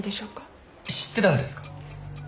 知ってたんですか？